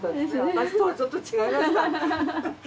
私とはちょっと違いました。